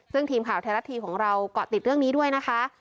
ซึ่งทีมข่าวไทยรัฐทีวีของเราเกาะติดเรื่องนี้ด้วยนะคะ